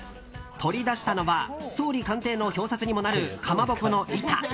取り出したのは総理官邸の表札にもなるかまぼこの板。